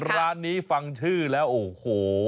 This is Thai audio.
ร้านนี้ฟังชื่อแล้วโอ้โห